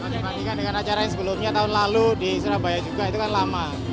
dibandingkan dengan acara yang sebelumnya tahun lalu di surabaya juga itu kan lama